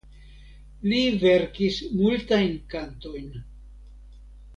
Li verkis multajn kantojn.